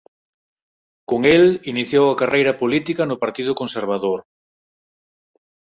Con el iniciou a carreira política no Partido Conservador.